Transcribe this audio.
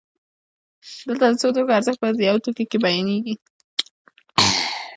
دلته د څو توکو ارزښت په یو توکي کې بیانېږي